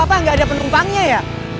kau papa gak ada penumpangnya ya